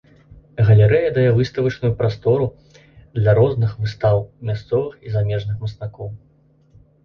Галерэя дае выставачную прастору для розных выстаў мясцовых і замежных мастакоў.